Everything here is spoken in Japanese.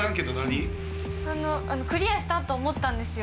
クリアしたと思ったんですよ。